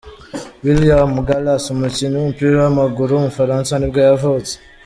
William Gallas, umukinnyi w’umupira w’amaguru w’umufaransa nibwo yavutse.